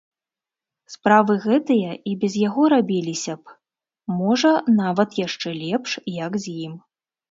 Справы гэтыя і без яго рабіліся б, можа, нават яшчэ лепш, як з ім.